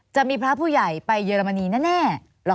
จะมีพระผู้ใหญ่ไปเยอรมนีแน่